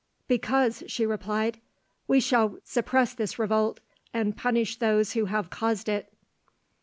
"Because," she replied, "we shall suppress this revolt, and punish those who have caused it."